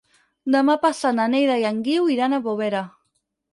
Demà passat na Neida i en Guiu iran a Bovera.